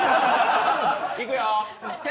いくよ。